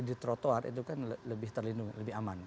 di trotoar itu kan lebih terlindungi lebih aman